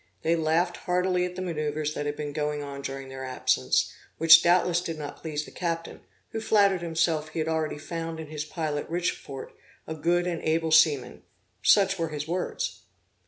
They laughed heartily at the manoeuvres that had been going on during their absence, which doubtless did not please the captain, who flattered himself he had already found in his pilot Richefort, a good and able seaman; such were his words.